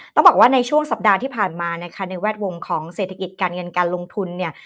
ต้องบอกว่าในช่วงสัปดาห์ที่ผ่านมานะคะในแวดวงของเศรษฐกิจการเงินการลงทุนเนี่ย